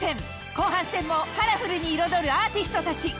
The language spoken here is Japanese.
後半戦もカラフルに彩るアーティストたち。